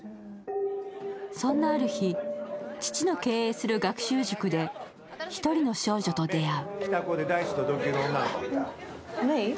そんなある日、父の経営する学習塾で１人の少女と出会う。